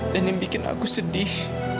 dan yang bikin aku sedih